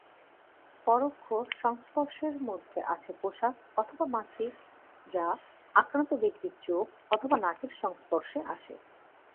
পরোক্ষ সংস্পর্শের মধ্যে আছে পোশাক অথবা মাছি যা আক্রান্ত ব্যক্তির চোখ অথবা নাকের সংস্পর্শে আসে।